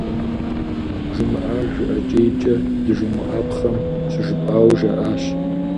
Жумыӏар жыӏэкӏейкӏэ здыжумыӏапхъэм щыжыпӏауэ жаӏащ.